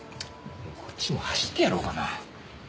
こっちも走ってやろうかな。